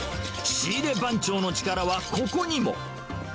仕入れ番長の力はここにも。